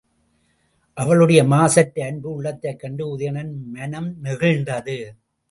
அவளுடைய மாசற்ற அன்பு உள்ளத்தைக் கண்டு உதயணனுக்கு மனம் நெகிழ்ந்தது.